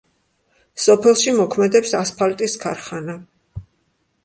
სოფელში მოქმედებს ასფალტის ქარხანა.